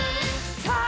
さあ